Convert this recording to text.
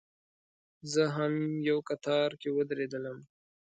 زه هم یو کتار کې ودرېدلم.